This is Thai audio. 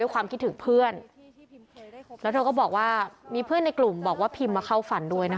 ความคิดถึงเพื่อนแล้วเธอก็บอกว่ามีเพื่อนในกลุ่มบอกว่าพิมพ์มาเข้าฝันด้วยนะคะ